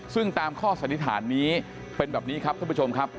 ซึ่งตามข้อสันนิษฐานนี้เป็นแบบนี้ครับท่านผู้ชมครับ